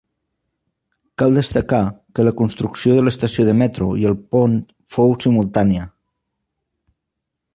Cal destacar que la construcció de l'estació de metro i el pont fou simultània.